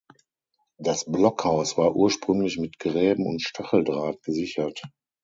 Das Blockhaus war ursprünglich mit Gräben und Stacheldraht gesichert.